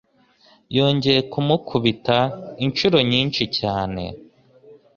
Yongeye kumukubita inshuro nyinshi cyane .